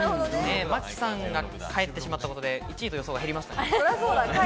真木さんが帰ってしまったことで１位という予想は減りましたね。